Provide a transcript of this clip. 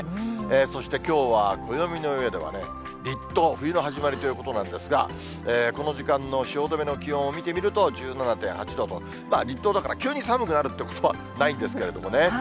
そしてきょうは、暦の上ではね、立冬、冬の始まりということなんですが、この時間の汐留の気温を見てみると、１７．８度と、立冬だから急に寒くなるってことはないんですけれどもね。